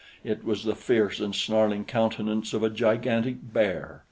It was the fierce and snarling countenance of a gigantic bear.